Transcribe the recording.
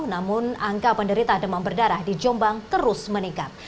namun angka penderita demam berdarah di jombang terus meningkat